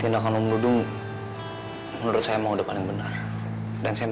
dan saya makasih banget